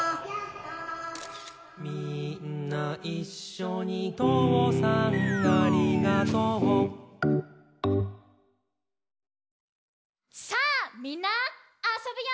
「みーんないっしょにとうさんありがとう」さあみんなあそぶよ！